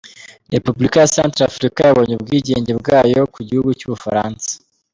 Repubulika ya Centre-Africa yabonye ubwigenge bwayo ku gihugu cy’ubufaransa.